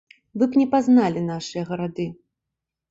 Вы б не пазналі нашыя гарады.